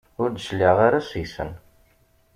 Ur d-cliɛeɣ ara seg-sen.